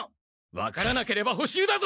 分からなければ補習だぞ！